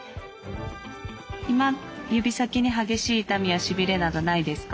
今指先に激しい痛みやしびれなどないですか？